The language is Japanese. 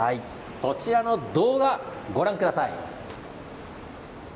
そちらの動画をご覧ください。